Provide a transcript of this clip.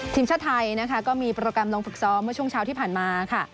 ทีมชาติไทยนะคะก็มีโปรแกรมลงฝึกซ้อมเมื่อช่วงเช้าที่ผ่านมาค่ะ